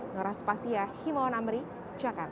noras pasia himoan amri jakarta